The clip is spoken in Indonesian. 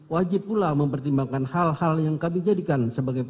wajib pula mempertimbangkan hal hal yang kami jadikan sebagai